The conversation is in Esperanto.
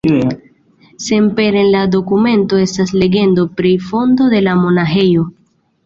Senpere en la dokumento estas legendo pri fondo de la monaĥejo.